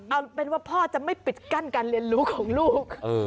เอาเป็นว่าพ่อจะไม่ปิดกั้นการเรียนรู้ของลูก